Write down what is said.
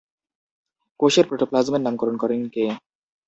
কোষের প্রোটোপ্লাজমের নামকরণ করেন কে?